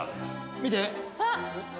見て。